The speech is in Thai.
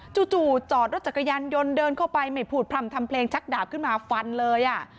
จู่จอดรถจักรยานยนต์เดินเข้าไปไม่พูดพร่ำทำเพลงชักดาบขึ้นมาฟันเลยอ่ะ